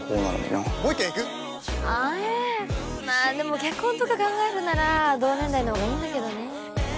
まぁでも結婚とか考えるなら同年代のほうがいいんだけどね